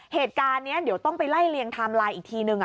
เหตุการณ์นี้เดี๋ยวต้องไปไล่เลียงไทม์ไลน์อีกทีนึง